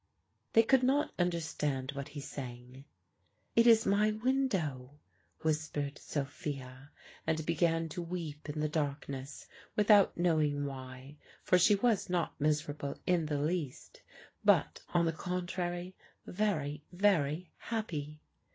They could not understand what he sang. "It is my window," whispered Sophia, and began to weep in the darkness, without knowing why; for she was not miserable in the least, but, on the contrary, very, very happy.